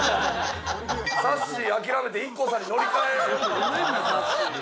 さっしー諦めてＩＫＫＯさんに乗り換えよう！